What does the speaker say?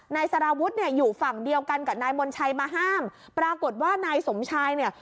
นายสารวุฒิเนี่ยอยู่ฝั่งเดียวกันกับนายมนชัยมาห้ามปรากฏว่านายสมชายเนี่ย